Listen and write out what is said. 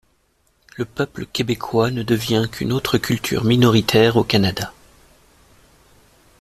Le peuple québécois ne devient qu'une autre culture minoritaire au Canada.